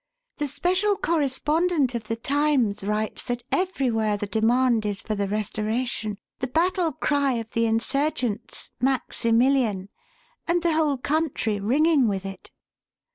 The special correspondent of the Times writes that everywhere the demand is for the Restoration, the battle cry of the insurgents 'Maximilian!' and the whole country ringing with it."